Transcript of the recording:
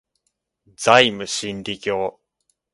ザイム真理教